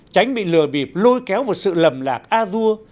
tránh bị lừa bịp lôi kéo vào sự lầm lạc a dua